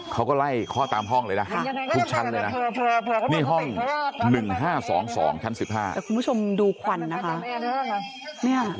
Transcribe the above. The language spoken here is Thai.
เขาก็ไล่คอกล่ามตามห้องเลยนะครับ